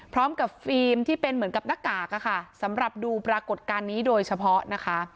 ฟิล์มที่เป็นเหมือนกับหน้ากากอะค่ะสำหรับดูปรากฏการณ์นี้โดยเฉพาะนะคะ